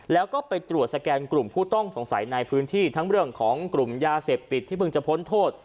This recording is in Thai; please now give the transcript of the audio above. แล้วก็ไปตรวจสแกนกลุ่มผู้ต้องสงสัยในพื้นที่ทั้งเรื่องของกลุ่มยาเสพติดที่เพิ่งจะพ้นโทษ